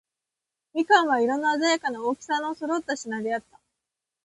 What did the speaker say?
蜜柑は、色のあざやかな、大きさの揃った品であった。